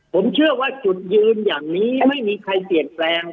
ผมเชื่อว่าจุดยืนอย่างนี้ไม่มีใครเปลี่ยนแปลง